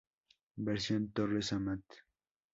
Versión Torres Amat.